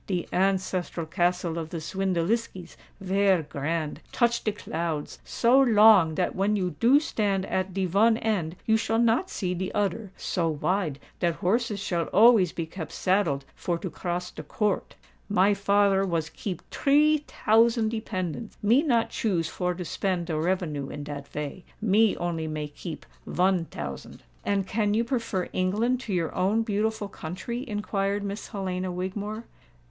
"De ancestral castle of the Swindeliskis vare grand—touch de clouds—so long dat when you do stand at de von end you shall not see de oder—so wide dat horses shall always be kept saddled for to cross de court. My father was keep tree tousand dependants: me not choose for to spend de revenue in dat vay—me only may keep von tousand." "And can you prefer England to your own beautiful country?" inquired Miss Helena Wigmore.